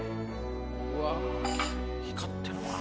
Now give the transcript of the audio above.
うわ光ってるな。